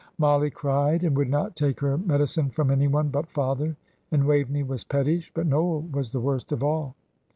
Mollie cried and would not take her medicine from anyone but father, and Waveney was pettish; but Noel was the worst of all.